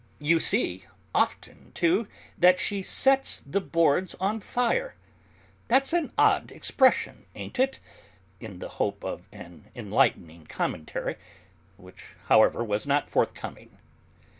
You see, often, too, that she 'sets the boards on fire.' That's an odd expression, ain't it?" in the hope of an enlightening commentary, which, however, was not forthcoming.